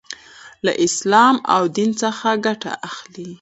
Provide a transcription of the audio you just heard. لـه اسـلام او ديـن څـخه ګـټه اخـلي .